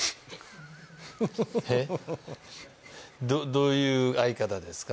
どういう会い方ですか？